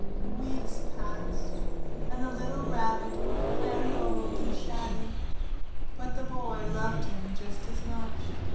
Weeks passed, and the little Rabbit grew very old and shabby, but the Boy loved him just as much.